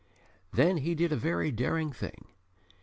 Then he did a very daring thing.